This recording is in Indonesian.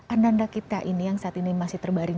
anda anda kita ini yang saat ini masih terbaring